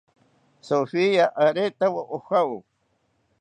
Sofia aretawo ojawo